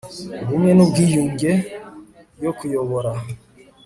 ubumwe n ubwiyunge yo kuyobora